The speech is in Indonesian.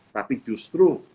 tapi justru dari